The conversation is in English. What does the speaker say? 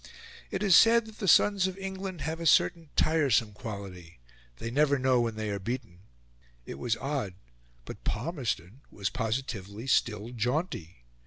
it is said that the sons of England have a certain tiresome quality: they never know when they are beaten. It was odd, but Palmerston was positively still jaunty.